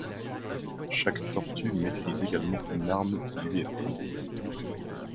Chaque tortue maîtrise également une arme qui lui est propre.